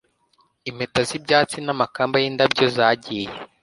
Impeta z'ibyatsi n'amakamba y'indabyo zagiye